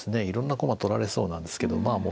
いろんな駒取られそうなんですけどま